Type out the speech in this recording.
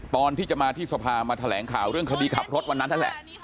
ตอนที่จะมาที่สภามาแถลงข่าวเรื่องคดีขับรถวันนั้นนั่นแหละ